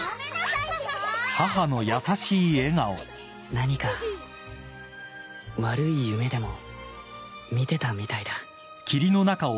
何か悪い夢でも見てたみたいだ。